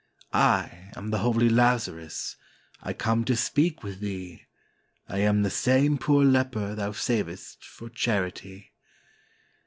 "I am the holy Lazarus, I come to speak with thee; I am the same poor leper thou savedst for charity.